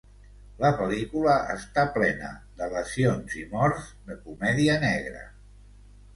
La pel·lícula està plena de lesions i morts de comèdia negra.